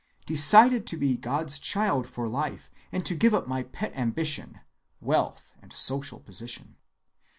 Decided to be God's child for life, and to give up my pet ambition, wealth and social position.